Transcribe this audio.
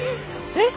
えっ？